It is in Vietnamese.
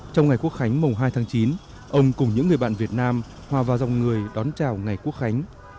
trong ngày quốc khánh mùng hai tháng chín ông cùng những người bạn việt nam hòa vào dòng người đón chào ngày quốc khánh